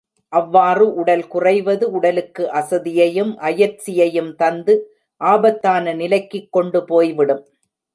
அவ்வாறு உடல் குறைவது உடலுக்கு அசதியையும் அயற்சியையும் தந்து, ஆபத்தான நிலைக்குக் கொண்டு போய்விடும்.